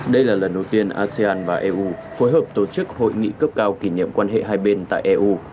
đây là lần đầu tiên asean và eu phối hợp tổ chức hội nghị cấp cao kỷ niệm quan hệ hai bên tại eu